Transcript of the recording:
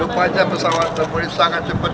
lupa aja pesawat terpulih sangat cepat